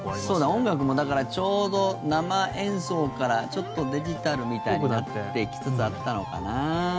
音楽も、ちょうど生演奏からちょっとデジタルみたいになってきつつあったのかな。